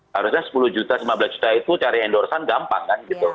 harusnya sepuluh juta lima belas juta itu cari endorsean gampang kan gitu